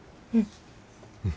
うん。